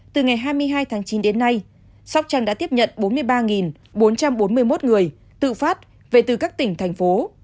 từ ngày hai mươi hai tháng chín đến nay sóc trăng đã tiếp nhận bốn mươi ba bốn trăm bốn mươi một người tự phát về từ các tỉnh thành phố